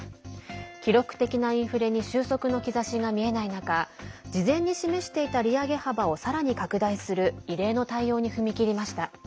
記録的なインフレに収束の兆しが見えない中事前に示していた利上げ幅をさらに拡大する異例の対応に踏み切りました。